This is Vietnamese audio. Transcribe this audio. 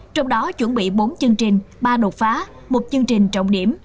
trong đó chuẩn bị bốn chương trình ba đột phá một chương trình trọng điểm